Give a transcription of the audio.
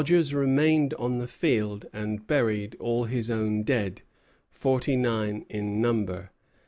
Rogers remained on the field and buried all his own dead, forty nine in number.